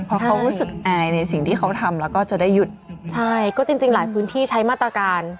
เพราะเขารู้สึกอายในสิ่งที่เขาทำแล้วก็จะได้หยุดใช่ก็จริงจริงหลายพื้นที่ใช้มาตรการ